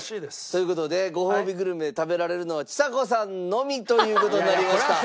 という事でごほうびグルメ食べられるのはちさ子さんのみという事になりました。